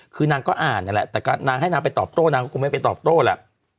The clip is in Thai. คือนางก็อ่านนั่นแหละแต่ก็นางให้นางไปตอบโต้นางก็คงไม่ไปตอบโต้แหละ